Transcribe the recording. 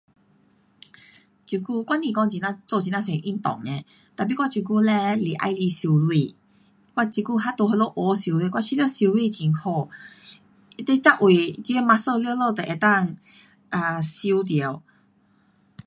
这久我不讲很呐做很呐多运动的。tapi 我这久嘞是喜欢游泳。我这久还在那里学游泳。我觉得游泳很好，你每位，你的 muscle 全部都能够 um 游到。